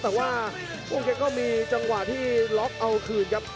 แต่ว่าโอ้แกก็มีจังหวะที่ล็อกเอาคืนครับ